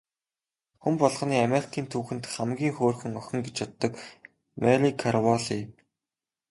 Хүн болгоны Америкийн түүхэн дэх хамгийн хөөрхөн охин гэж боддог Мари Караволли.